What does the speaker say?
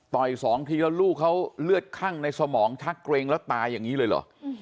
สองทีแล้วลูกเขาเลือดคั่งในสมองชักเกรงแล้วตายอย่างนี้เลยเหรอ